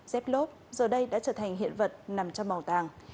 dép lốp giờ đây đã trở thành hiện vật nằm trong bảo tàng